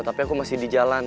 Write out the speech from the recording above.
tapi aku masih di jalan